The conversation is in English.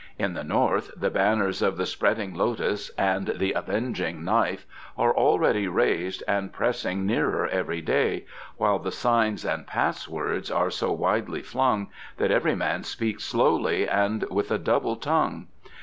In the north the banners of the 'Spreading Lotus' and the 'Avenging Knife' are already raised and pressing nearer every day, while the signs and passwords are so widely flung that every man speaks slowly and with a double tongue.